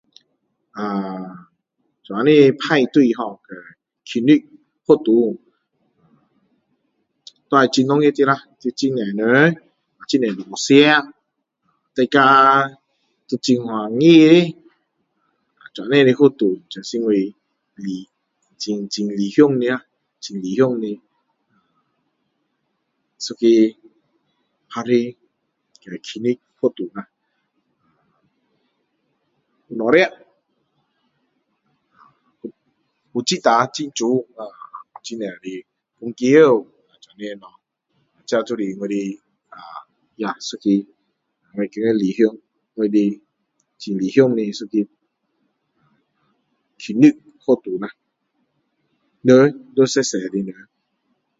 ahh 这样派对 ho, 庆祝，活动，要很热闹的啦！要有很多人,很多物吃，大家都很欢喜，这样的活动才是我，很很理想，很理想的，一个 hari 和庆祝活动啦。有物吃，怖置到很美，很多的汽球，这样的物。这就是我的[ahh] ya 一个我觉得理想的，我的很理想一个庆祝活动啦！人要多多的人。